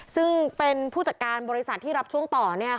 ซึ่งเป็นผู้จัดการบริษัทที่รับช่วงต่อ